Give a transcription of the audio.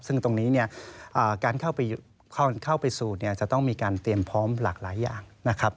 ซึ่งตรงนี้เนี่ยการเข้าไปสูตรเนี่ยจะต้องมีการเตรียมพร้อมหลากหลายอย่างนะครับ